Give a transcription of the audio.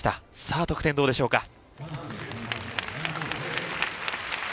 さあ得点どうでしょうか？